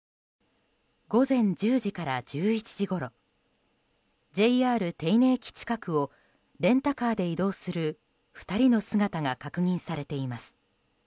午前１０時から１１時ごろＪＲ手稲駅近くをレンタカーで移動する２人の姿が確認されています。